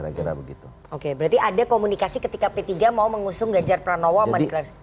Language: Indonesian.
jadi ada komunikasi ketika p tiga mau mengusung gajar pranowo sama deklarasi